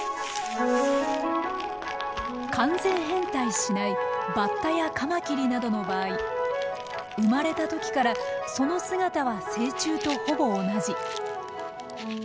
完全変態しないバッタやカマキリなどの場合生まれた時からその姿は成虫とほぼ同じ。